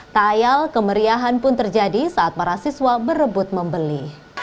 tayal kemeriahan pun terjadi saat para siswa berebut membeli